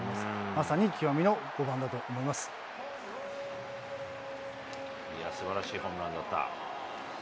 まさに極みの５番すばらしいホームランだった。